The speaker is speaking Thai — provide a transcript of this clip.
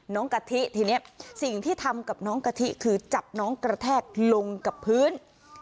กะทิทีนี้สิ่งที่ทำกับน้องกะทิคือจับน้องกระแทกลงกับพื้น